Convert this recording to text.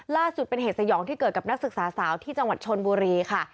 ล่าสุดเป็นเหตุสยองที่เกิดกับนักศึกษาสาวที่จังหวัดชนบุรีค่ะ